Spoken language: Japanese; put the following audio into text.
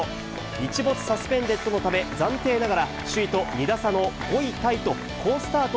日没サスペンデッドのため、暫定ながら、首位と２打差の５位